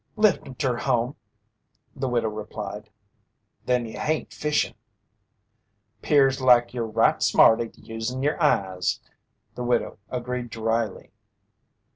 "Left 'em ter home," the widow replied. "Then you hain't fishin'." "'Pears like yer right smart at usein' yer eyes," the widow agreed dryly.